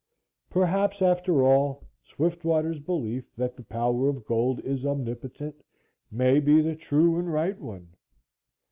Perhaps, after all, Swiftwater's belief that the power of gold is omnipotent, may be the true and right one.